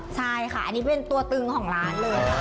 ใช่ค่ะอันนี้เป็นตัวตึงของร้านเลย